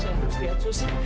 saya harus lihat susi